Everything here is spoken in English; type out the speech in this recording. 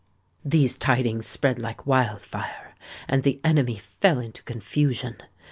These tidings spread like wild fire; and the enemy fell into confusion.